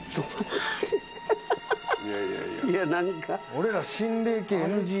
俺ら心霊系ＮＧや。